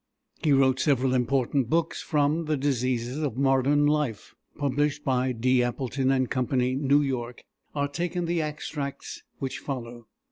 He wrote several important books; from "The Diseases of Modern Life," published by D. Appleton & Co., New York, are taken the extracts which follow.